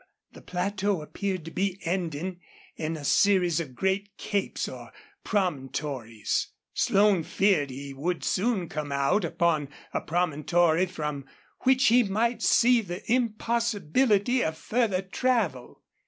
The plateau appeared to be ending in a series of great capes or promontories. Slone feared he would soon come out upon a promontory from which he might see the impossibility of further travel.